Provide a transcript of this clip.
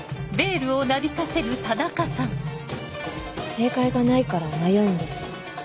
正解がないから迷うんです